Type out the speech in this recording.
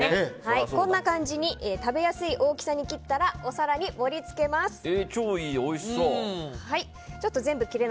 こんな感じに食べやすい大きさに切ったらお皿に盛りつけます。